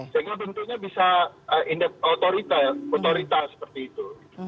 sehingga bentuknya bisa otorita seperti itu